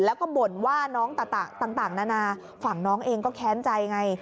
แล้วก็บ่นว่าน้องต่างนานาฝั่งน้องเองก็แค้นใจไง